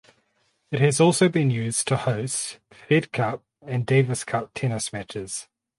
It has also been used to host Fed Cup and Davis Cup tennis matches.